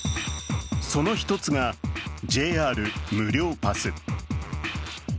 その１つが、ＪＲ無料パス。